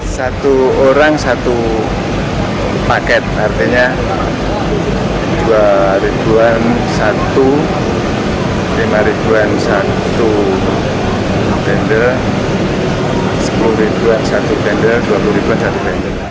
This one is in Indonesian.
satu orang satu paket artinya dua an satu lima an satu vendor sepuluh an satu vendor dua puluh an satu vendor